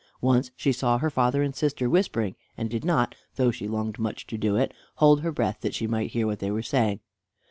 Once she saw her father and sister whispering, and did not, though she longed much to do it, hold her breath that she might hear what they were saying.